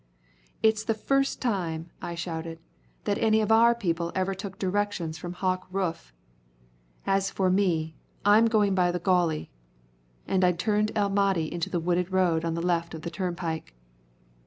"It's the first time," I shouted, "that any of our people ever took directions from Hawk Rufe. As for me, I'm going by the Gauley." And I turned El Mahdi into the wooded road on the left of the turnpike.